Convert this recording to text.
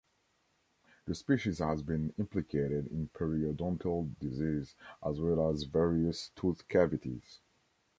The species has been implicated in periodontal disease, as well as various tooth cavities.